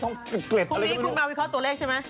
ถึงจะมาวิเคราะห์ตัวเลขใช่มั้ย